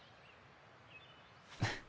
フッ。